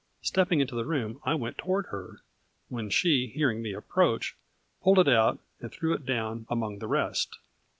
Stepping into the room, I went toward her, when she hearing me approach, pulled it out and threw it down among the rest.